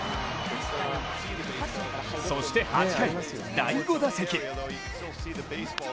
そして８回、第５打席。